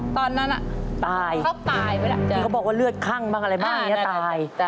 ตอนนั้นเขาตายเลยละค่ะตาย